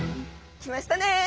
来ましたね！